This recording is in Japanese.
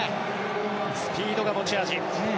スピードが持ち味。